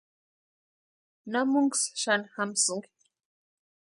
¿Namunksï xani jamsïnki?